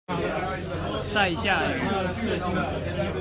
賽夏語